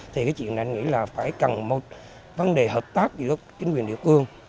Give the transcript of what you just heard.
thì cái chuyện này anh nghĩ là phải cần một vấn đề hợp tác giữa chính quyền địa cương